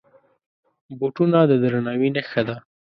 بوټونه د درناوي نښه ده.